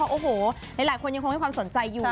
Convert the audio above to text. โอ้โหหลายคนยังคงให้ความสนใจอยู่